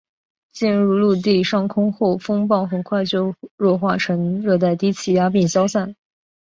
进入陆地上空后风暴很快就弱化成热带低气压并消散。